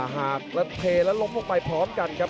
หากและเทแล้วล้มลงไปพร้อมกันครับ